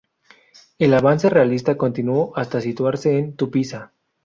El avance realista continuó hasta situarse en Tupiza.